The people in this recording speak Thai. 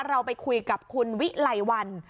เราไปคุยกับคุณวิไลวัน